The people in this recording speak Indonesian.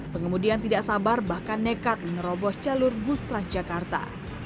pengemudian tidak sabar bahkan nekat menerobos jalur bustra jakarta